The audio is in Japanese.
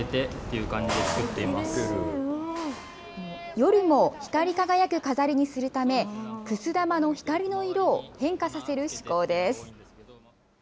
夜も光り輝く飾りにするため、くす玉の光の色を変化させる趣向です。